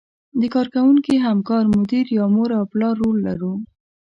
د کار کوونکي، همکار، مدیر یا مور او پلار رول لرو.